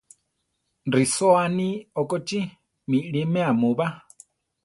Risóa aní okochí! miʼlimea mu ba!